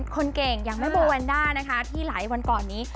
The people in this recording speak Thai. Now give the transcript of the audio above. คนเก่งอย่างแม่โบแวนด้านะคะที่หลายวันก่อนนี้